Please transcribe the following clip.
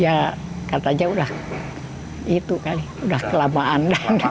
ya katanya udah itu kali udah kelamaan